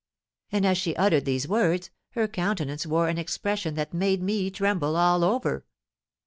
And as she uttered these words, her countenance wore an expression that made me tremble all over."